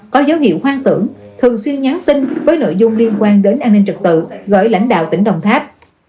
có dấu hiệu hoang tưởng thường xuyên nhắn tin với nội dung liên quan đến an ninh trật tự gửi lãnh đạo tỉnh đồng tháp